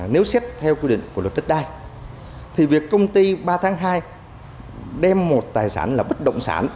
nếu xét theo quy định của luật đất đai thì việc công ty ba tháng hai đem một tài sản là bất động sản